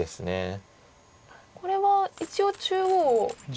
これは一応中央。